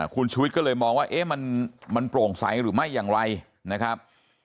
คุณชุวิตก็เลยมองว่ามันโปร่งใสหรือไม่อย่างไรนะครับ